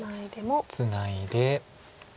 ツナいでも。